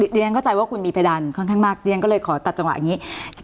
เรียนเข้าใจว่าคุณมีเพดานค่อนข้างมากเรียนก็เลยขอตัดจังหวะอย่างนี้